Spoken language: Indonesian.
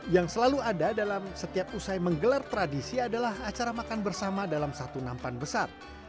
yang selalu ada dalam setiap usai menggelar tradisi adalah acara makan bersama dalam satu nampan besar